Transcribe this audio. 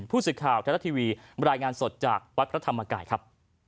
ผู้สื่อข่าวไทยรัฐทีวีรายงานสดจากวัดพระธรรมกายครับ